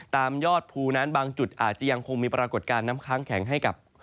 ยอดภูนั้นบางจุดอาจจะยังคงมีปรากฏการณ์น้ำค้างแข็งให้กับ